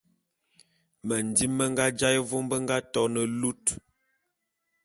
Mendim me nga jaé vôm be nga to ne lut.